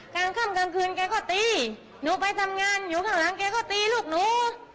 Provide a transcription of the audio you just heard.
กลางค่ำกลางคืนแกก็ตีหนูไปทำงานอยู่ข้างหลังแกก็ตีลูกหนู